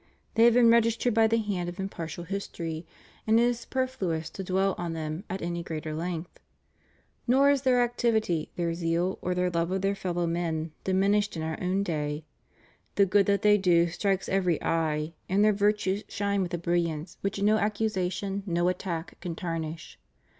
They have been registered by the hand of impartial history, and it is superfluous to dwell on them at any greater length. Nor is their activity. 498 THE RELIGIOUS CONGREGATIONS IN FRANCE. their zeal, or their love of their fellow men diminished in our own day. The good that they do strikes every eye, and their virtues shine with a brilliance which no accusa tion, no attack, can tarnish.